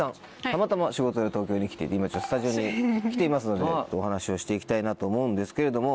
たまたま仕事で東京に来ていて今スタジオに来ていますのでお話をして行きたいなと思うんですけれども。